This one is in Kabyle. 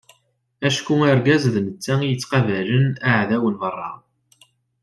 Acku argaz d netta i yettqabalen aεdaw n beṛṛa.